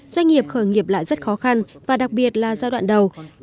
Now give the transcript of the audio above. doanh nghiệp khởi nghiệp lại rất khó khăn và đặc biệt là giai đoạn đầu